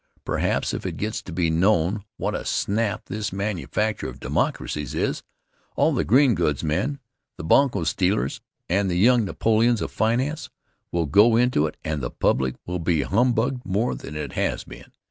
Perhaps if it gets to be known what a snap this manufacture of "Democracies" is, all the green goods men, the bunco steerers, and the young Napoleons of finance will go into it and the public will be humbugged more than it has been.